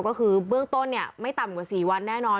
ก็คือเบื้องต้นเนี่ยไม่ต่ำกว่า๔วันแน่นอน